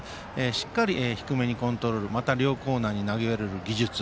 しっかり低めにコントロールまた両コーナーに投げられる技術。